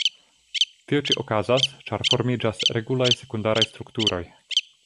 Tio ĉi okazas, ĉar formiĝas regulaj sekundaraj strukturoj.